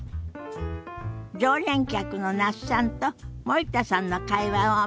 常連客の那須さんと森田さんの会話を見てみましょ。